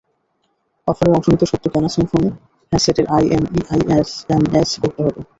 অফারে অংশ নিতে সদ্য কেনা সিম্ফনি হ্যান্ডসেটের আইএমইআই এসএমএস করতে হবে।